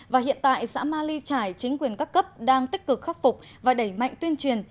và hiện tại xã ma ly trải chính quyền các cấp đang tích cực khắc phục và đẩy mạnh tuyên truyền